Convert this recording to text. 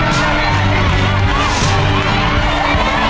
วันไหลรอดกว่า๖ฝั่ง